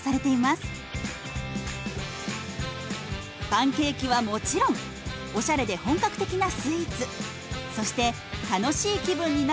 パンケーキはもちろんおしゃれで本格的なスイーツそして楽しい気分になる